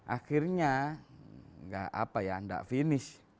akhirnya enggak apa ya enggak finish